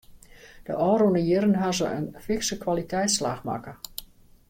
De ôfrûne jierren hawwe se in fikse kwaliteitsslach makke.